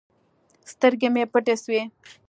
سترګې مې پټې سوې.